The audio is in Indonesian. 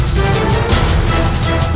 sari kata dari